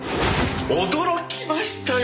驚きましたよ！